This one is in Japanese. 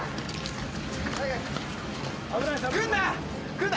来んな！